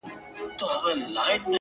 ته چي قدمونو كي چابكه سې،